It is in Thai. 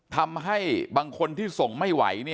ทำให้บางคนที่ส่งไม่ไหว